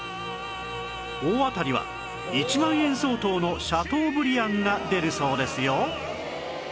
大当たりは１万円相当のシャトーブリアンが出るそうですよ